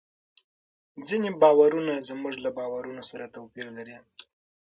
ځینې باورونه زموږ له باورونو سره توپیر لري.